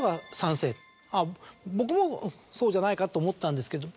僕もそうじゃないかと思ったんですけど。